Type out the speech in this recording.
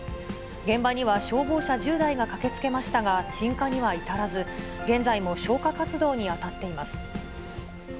現場には、消防車１０台が駆けつけましたが、鎮火には至らず、現在も消火活動に当たっています。